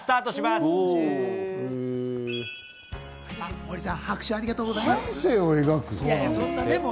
森さん、拍手ありがとうござ半生を描く？